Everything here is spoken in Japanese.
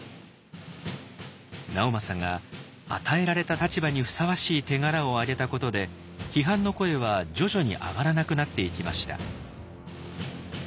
直政が与えられた立場にふさわしい手柄をあげたことで批判の声は徐々に上がらなくなっていきました。